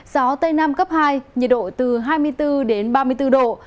gió tây nam cấp hai nhiệt độ từ hai mươi bốn đến ba mươi bốn độ